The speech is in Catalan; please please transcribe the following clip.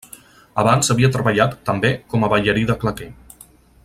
Abans havia treballat, també, com a ballarí de claqué.